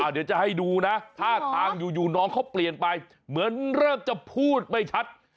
เดี๋ยวจะให้ดูนะท่าทางอยู่น้องเขาเปลี่ยนไปเหมือนเริ่มจะพูดไม่ชัด